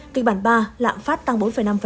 kịch bản ba lạm phát tăng bốn năm